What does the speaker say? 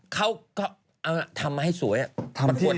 เขาก็เอาทำมาให้สวย